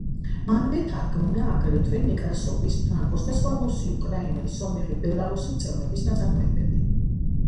მანვე თარგმნა აგრეთვე ნეკრასოვის, ფრანკოს, და სხვა რუსი, უკრაინელი, სომეხი, ბელორუსი მწერლების ნაწარმოებები.